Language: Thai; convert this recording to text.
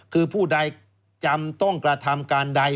คือผู้ใดจำต้องกระทำการใด